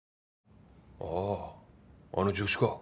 あぁあの助手か。